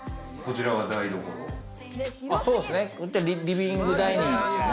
そうすね、リビングダイニングですね。